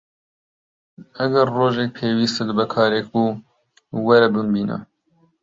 ئەگەر ڕۆژێک پێویستت بە کارێک بوو، وەرە بمبینە.